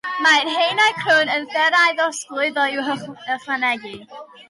Mae haenau crwn a thyrrau trosglwyddo i'w hychwanegu.